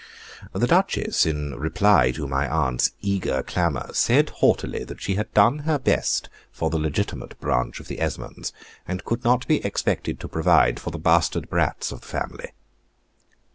The Duchess, in reply to my aunt's eager clamor, said haughtily, that she had done her best for the legitimate branch of the Esmonds, and could not be expected to provide for the bastard brats of the family.